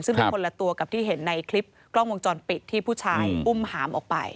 ซึ่งเป็นคนละตัวกับที่เห็นในคลิปกล้องวงจรปิดที่ผู้ชายอุ้มหามออกไป